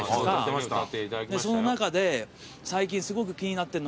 その中で最近すごく気になってんのが。